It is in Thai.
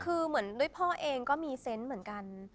คือเหมือนด้วยพ่อเองก็มีเซนต์เหมือนกัน